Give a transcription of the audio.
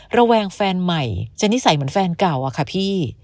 ระแวงแฟนใหม่จะนิสัยเหมือนแฟนเก่าอะค่ะพี่